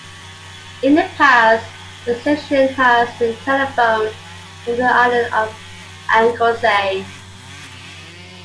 In the past, the station has been telephoned from the island of Anglesey.